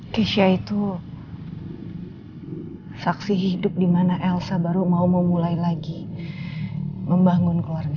keisha itu saksi hidup di mana elsa baru mau memulai lagi membangun keluarganya